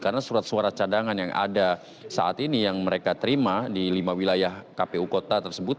karena surat suara cadangan yang ada saat ini yang mereka terima di lima wilayah kpu kota tersebut